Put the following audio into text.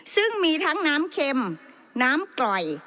ซึ่งมีทั้งน้ำเค็มน้ำกร่อย